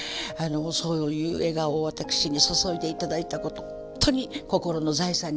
そういう笑顔を私に注いで頂いたことほんとに心の財産になっております。